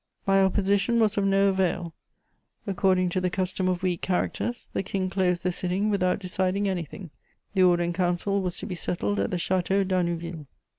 My opposition was of no avail: according to the custom of weak characters, the King closed the sitting without deciding anything; the Order in Council was to be settled at the Château d'Arnouville.